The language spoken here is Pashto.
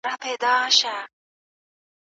انا په ډېرې سختۍ سره خپله دننۍ غوسه مهار کړه.